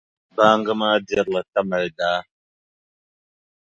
Baaŋa ma daa dirila Tamali daa.